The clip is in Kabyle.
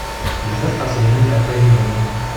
Bezzaf tḥerseḍ iman-ik ɣef wayen ur ibanen ara.